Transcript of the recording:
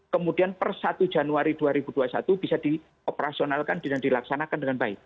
kemudian per satu januari dua ribu dua puluh satu bisa dioperasionalkan dan dilaksanakan dengan baik